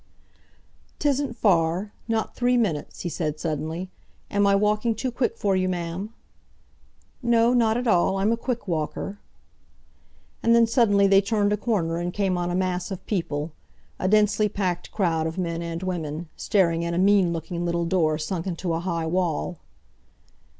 "'Tisn't far—not three minutes," he said suddenly. "Am I walking too quick for you, ma'am?" "No, not at all. I'm a quick walker." And then suddenly they turned a corner and came on a mass of people, a densely packed crowd of men and women, staring at a mean looking little door sunk into a high wall.